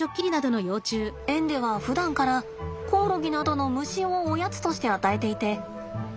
園ではふだんからコオロギなどの虫をおやつとして与えていてこのどんぐり